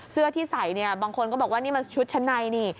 เสื้อที่ใสบางคนก็บอกว่านี่มันชุดชะไน